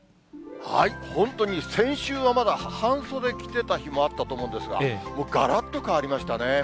本当に先週はまだ半袖着てた日もあったと思うんですが、もうがらっと変わりましたね。